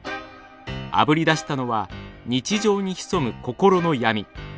あぶり出したのは日常に潜む心の闇。